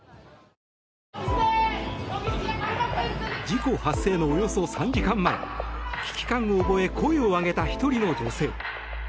事故発生のおよそ３時間前危機感を覚え声を上げた１人の女性。